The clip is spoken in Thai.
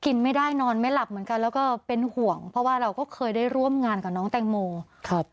ไม่ได้นอนไม่หลับเหมือนกันแล้วก็เป็นห่วงเพราะว่าเราก็เคยได้ร่วมงานกับน้องแตงโมครับ